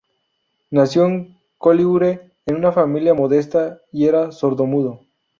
Nació en Colliure en una familia modesta y era sordomudo.